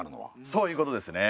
そういうことですね。